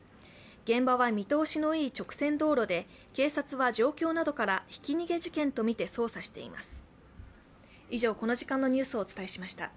現場は見通しのいい直線道路で警察は状況などから、ひき逃げ事件とみて捜査しています。